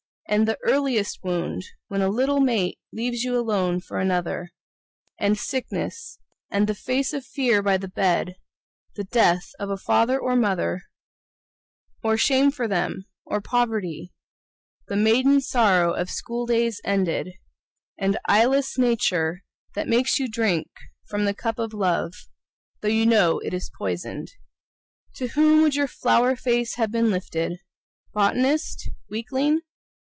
And the earliest wound, when a little mate Leaves you alone for another; And sickness, and the face of Fear by the bed; The death of a father or mother; Or shame for them, or poverty; The maiden sorrow of school days ended; And eyeless Nature that makes you drink From the cup of Love, though you know it's poisoned; To whom would your flower face have been lifted? Botanist, weakling?